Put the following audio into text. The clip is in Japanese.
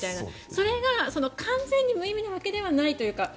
それが完全に無意味なわけではないというか。